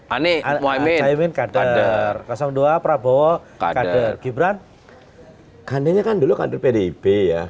anies muhammed chaimin kader dua pramowo kader gibran kan dia kan dulu kader pdb ya